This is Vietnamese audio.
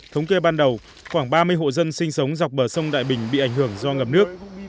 thống kê ban đầu khoảng ba mươi hộ dân sinh sống dọc bờ sông đại bình bị ảnh hưởng do ngập nước